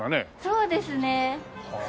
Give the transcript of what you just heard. そうですね。